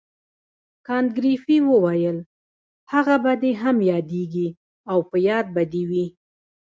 کانت ګریفي وویل هغه به دې هم یادیږي او په یاد به دې وي.